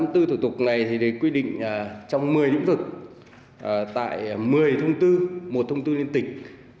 năm mươi bốn thủ tục này thì quy định trong một mươi nhiệm vực tại một mươi thông tư một thông tư liên tịch